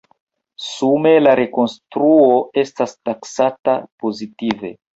Sume la rekonstruo estas taksata pozitive.